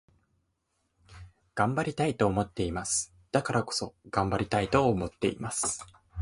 頑張りたいと思っています。だからこそ、頑張りたいと思っています。